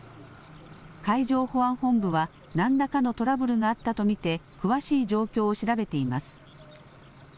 海上保安本部は何らかのトラブルがあったと見て詳しい状況を調べています。